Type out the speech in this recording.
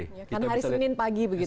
kan hari senin pagi begitu kan